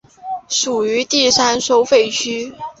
属于第三收费区。